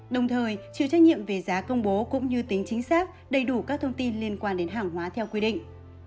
đồng thời chịu trách nhiệm về giá công bố cũng như tính chính xác đầy đủ các thông tin liên quan đến hàng hóa theo quy định